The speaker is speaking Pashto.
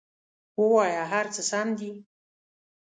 ووایه هر څه سم دي!